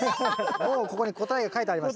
もうここに答えが書いてあります。